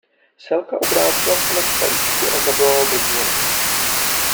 Selka obrátila se na špalíčku a zavolala do dvora.